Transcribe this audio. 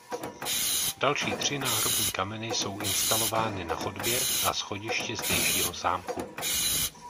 Další tři náhrobní kameny jsou instalovány na chodbě a schodišti zdejšího zámku.